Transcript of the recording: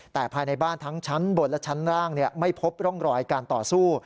แต่ภายในบ้านทั้งชั้นบนและชั้นล่างไม่พบร่องรอยการต่อสู้